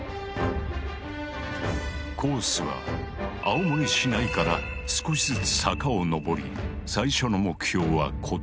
コースは青森市内から少しずつ坂を上り最初の目標は小峠。